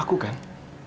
aku mau berhenti